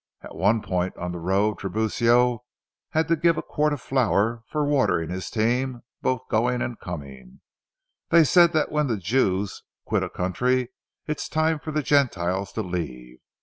At one point on the road, Tiburcio had to give a quart of flour for watering his team both going and coming. They say that when the Jews quit a country, it's time for the gentiles to leave.